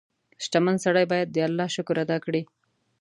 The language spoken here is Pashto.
• شتمن سړی باید د الله شکر ادا کړي.